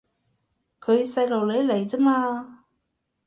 佢細路女嚟咋嘛